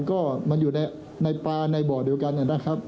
ก็มันอยู่ในปลาในบ่อเดียวกันนะครับ